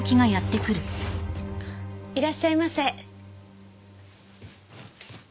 いらっしゃいませ。